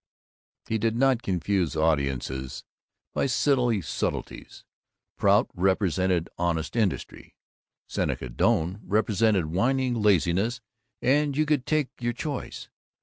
He did not confuse audiences by silly subtleties; Prout represented honest industry, Seneca Doane represented whining laziness, and you could take your choice.